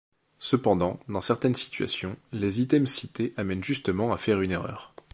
Cependant, dans certaines situations, les items cités amènent justement à faire une erreur.